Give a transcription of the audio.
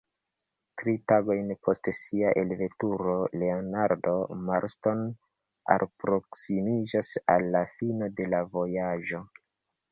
Tri tagojn post sia elveturo Leonardo Marston alproksimiĝis al la fino de la vojaĝo.